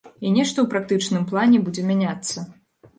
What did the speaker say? І нешта ў практычным плане будзе мяняцца.